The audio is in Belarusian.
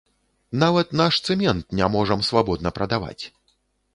Нават наш цэмент не можам свабодна прадаваць.